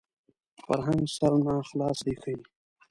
فرهنګ سرناخلاصي ښيي